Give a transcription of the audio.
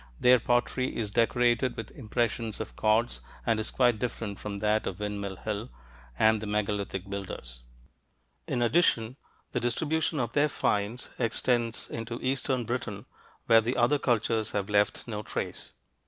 Their pottery is decorated with impressions of cords and is quite different from that of Windmill Hill and the megalithic builders. In addition, the distribution of their finds extends into eastern Britain, where the other cultures have left no trace.